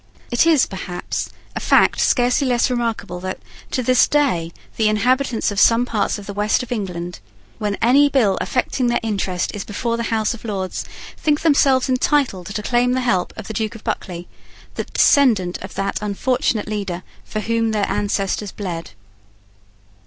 It is, perhaps, a fact scarcely less remarkable that, to this day, the inhabitants of some parts of the West of England, when any bill affecting their interest is before the House of Lords, think themselves entitled to claim the help of the Duke of Buccleuch, the descendant of the unfortunate leader for whom their ancestors bled.